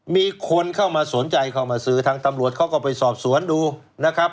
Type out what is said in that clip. มีคนเข้ามาสนใจเข้ามาซื้อทางตำรวจเขาก็ไปสอบสวนดูนะครับ